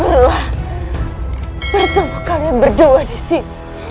jukrullah bertemu kamu berdua di sini